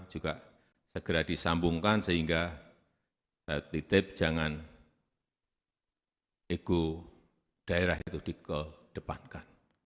juga segera disambungkan sehingga saya titip jangan ego daerah itu dikedepankan